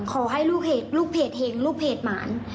ขอให้ลูกเพจเห็งลูกเพจหมาน